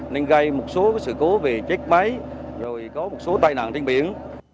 nên gây một số sự cố về chết máy rồi có một số tai nạn trên biển